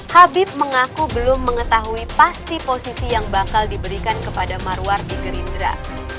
habib mengaku belum mengetahui pasti posisi yang bakal diberikan kepada marwar di gerindra